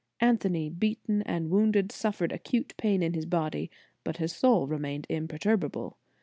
"Anthony, beaten and wounded, suffered acute pain in his body, but his soul remained imperturbable.